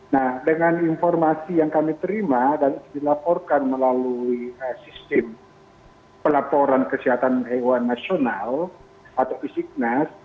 nah dengan informasi yang kami terima dan dilaporkan melalui sistem pelaporan kesehatan hewan nasional atau isignas